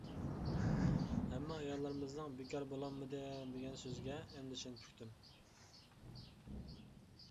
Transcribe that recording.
ھەممە ئاياللىرىمىزنىڭ «بىكار بولالمىدىم» دېگەن سۆزلىرىگە ئەمدى چىن پۈكتۈم.